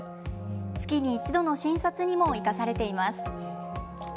月に一度の診察にも生かされています。